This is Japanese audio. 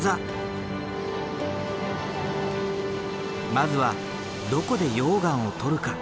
まずはどこで溶岩を採るか？